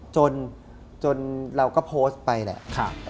จนเราก็โพสต์ไปแหละ